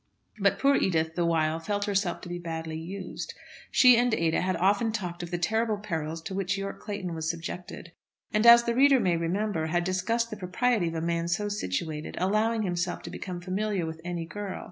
But poor Edith, the while, felt herself to be badly used. She and Ada had often talked of the terrible perils to which Yorke Clayton was subjected, and, as the reader may remember, had discussed the propriety of a man so situated allowing himself to become familiar with any girl.